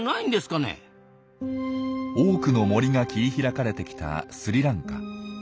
多くの森が切り開かれてきたスリランカ。